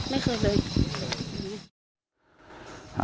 ไม่เคยเลย